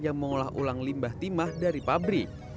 yang mengolah ulang limbah timah dari pabrik